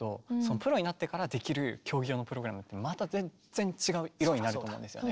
プロになってからできる競技用のプログラムってまた全然違う色になると思うんですよね